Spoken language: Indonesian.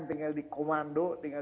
tinggal dikomando tinggal